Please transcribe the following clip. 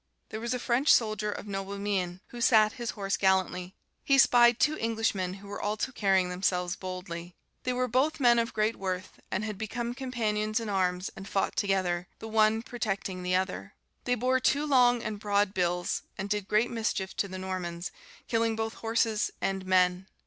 "There was a French soldier of noble mien, who sat his horse gallantly. He spied two Englishmen who were also carrying themselves boldly. They were both men of great worth, and had become companions in arms and fought together, the one protecting the other. They bore two long and broad bills, and did great mischief to the Normans, killing both horses and men.